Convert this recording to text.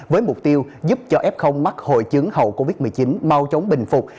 với mục tiêu giúp cho f mắc hội chứng hậu covid một mươi chín mau chóng bình phục